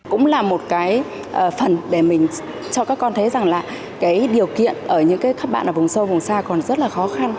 cũng là một cái phần để cho các con thấy rằng là cái điều kiện ở những cái các bạn ở vùng sâu vùng xa còn rất là khó khăn